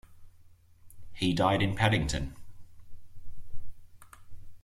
He died in Paddington.